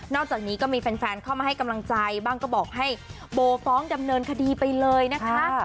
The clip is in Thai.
อกจากนี้ก็มีแฟนเข้ามาให้กำลังใจบ้างก็บอกให้โบฟ้องดำเนินคดีไปเลยนะคะ